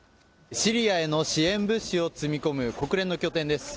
シリアへの支援物資を積み込む国連の拠点です。